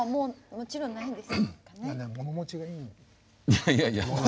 いやいやいや。